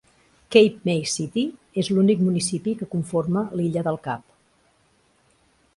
Cape May City és l'únic municipi que conforma l'illa del cap.